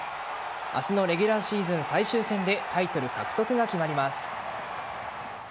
明日のレギュラーシーズン最終戦でタイトル獲得が決まります。